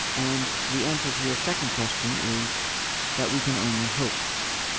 "And the answer to your second question is that we can only hope.